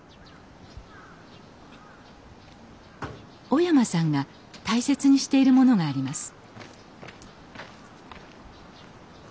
小山さんが大切にしているものがあります。